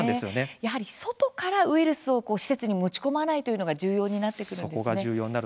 やはり外からウイルスを施設に持ち込まないというのが重要なんですね。